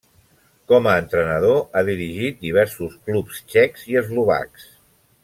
Com a entrenador ha dirigit diversos clubs txecs i eslovacs.